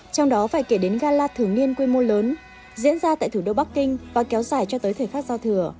trong đó phải kể đến gala thường niên quy mô lớn diễn ra tại thủ đô bắc kinh và kéo dài cho tới thời khắc giao thừa